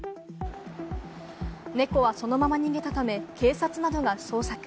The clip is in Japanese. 猫はそのまま逃げたため警察などが捜索。